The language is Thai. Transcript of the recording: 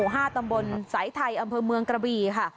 หมว๘๕สายไทยอำเมอร์เมืองกระบี่ค่ะ